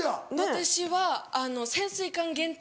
私は潜水艦限定。